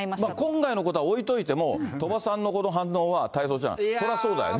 今回のことは置いといても、鳥羽さんのこの反応は、太蔵ちゃん、そりゃそうだよね。